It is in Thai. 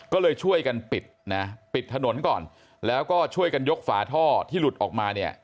ก็เลยช่วยกันปิดนะปิดถนนก่อนแล้วก็ช่วยกันยกฝาท่อที่หลุดออกมาเนี่ย